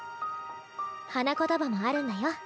花言葉もあるんだよ。